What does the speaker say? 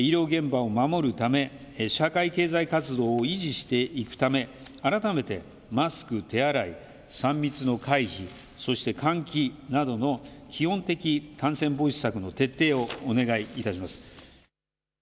医療現場を守るため社会経済活動を維持していくため、改めてマスク、手洗い、３密の回避、そして換気などの基本的感染防止策の徹底をお願いいたします。